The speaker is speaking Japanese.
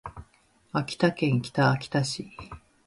秋田県北秋田市